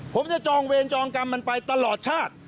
ผมจะจองเวรจองกรรมมันไปตลอดชาติ